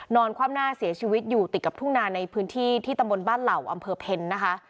ความหน้าเสียชีวิตอยู่ติดกับทุ่งนาในพื้นที่ที่ตำบลบ้านเหล่าอำเภอเพ็ญนะคะ